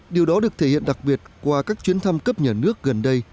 điều đó được thể hiện đặc biệt qua các chuyến thăm cấp nhà nước gần đây